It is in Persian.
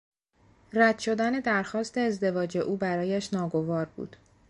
رد شدن درخواست ازدواج او برایش ناگوار بود.